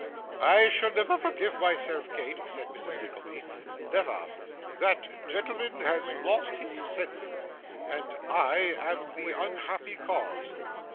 'I shall never forgive myself, Kate,' said Mrs. Nickleby. 'Never! That gentleman has lost his senses, and I am the unhappy cause.